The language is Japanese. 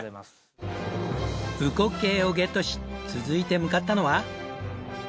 うこっけいをゲットし続いて向かったのは。